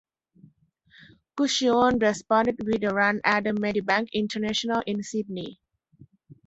Guccione responded with a run at the Medibank International in Sydney.